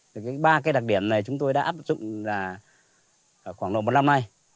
thì cái ba cái đặc điểm này chúng tôi đã áp dụng là khoảng độ một năm nay